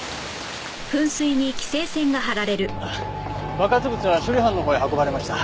爆発物は処理班のほうへ運ばれました。